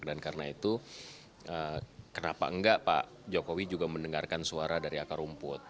dan karena itu kenapa enggak pak jokowi juga mendengarkan suara dari akar rumput